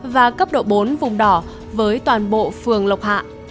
và cấp độ bốn vùng đỏ với toàn bộ phường lộc hạ